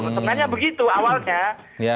sebenarnya begitu awalnya